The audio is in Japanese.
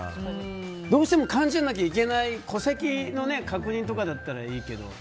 どうしても漢字じゃなきゃいけない戸籍の確認とかだったらいいけど。